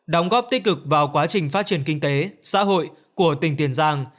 đóng góp tích cực vào quá trình phát triển kinh tế xã hội của tỉnh tiền giang